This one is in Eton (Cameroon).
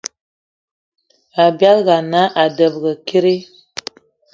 Abialga ana a debege kidi?